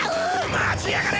待ちやがれ！